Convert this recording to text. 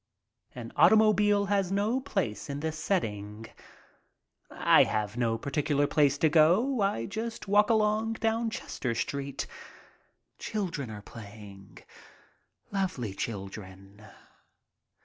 An automobile has no place in this setting. I have no particu lar place to go. I just walk along down Chester Street. Children are playing, lovely children.